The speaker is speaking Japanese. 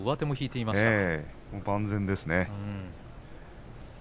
万全ですね。